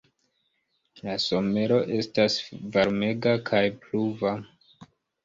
La somero estas varmega kaj pluva.